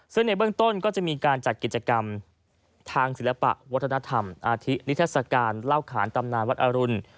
ซึ่งในเบื้องต้นก็จะมีการจัดกิจกรรมทางศิลปะวัฒนธรรมอาทินิทัศกาลเล่าขานตำนานวัดอรุณ